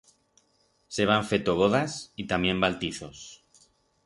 S'heban feto vodas y tamién baltizos.